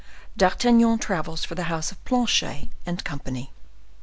D'Artagnan travels for the House of Planchet and Company.